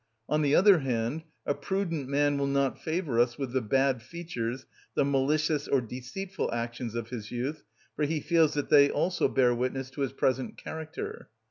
On the other hand, a prudent man will not favour us with the bad features, the malicious or deceitful actions, of his youth, for he feels that they also bear witness to his present character.